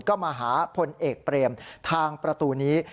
ก็มาหาพลเอกเปรมทางประตูนี้